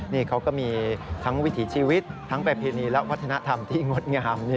นี่เขาก็มีทั้งวิถีชีวิตทั้งประเพณีและวัฒนธรรมที่งดงาม